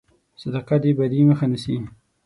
صدقه د بدي مخه نیسي.